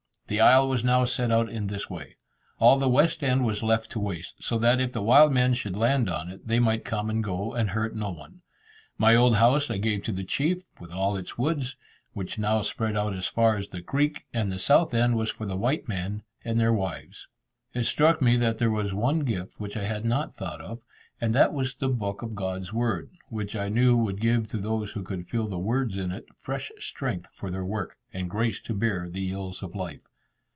The isle was now set out in this way: all the west end was left waste, so that if the wild men should land on it, they might come and go, and hurt no one. My old house I gave to the chief, with all its woods, which now spread out as far as the creek, and the south end was for the white men and their wives. It struck me that there was one gift which I had not thought of, and that was the book of God's Word, which I knew would give to those who could feel the words in it, fresh strength for their work, and grace to bear the ills of life.